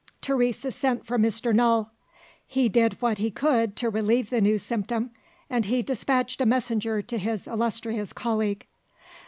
Teresa sent for Mr. Null. He did what he could to relieve the new symptom; and he despatched a messenger to his illustrious colleague.